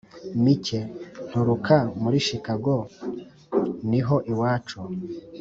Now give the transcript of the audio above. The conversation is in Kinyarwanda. mike: nturuka muri chicago. niho iwacu.